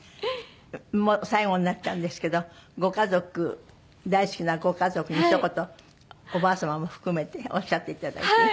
もう最後になっちゃうんですけどご家族大好きなご家族にひと言おばあ様も含めておっしゃっていただいていい？